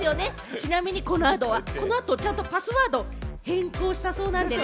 ちなみに、この後ちゃんとパスワード、変更したそうなんです。